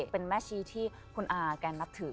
เป็นแม่ชีที่สนุกที่แกนนัดถือ